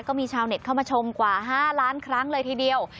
ก็มีชาวเน็ตเข้ามาชมกว่า๕ล้านครั้งเลยทีเดียว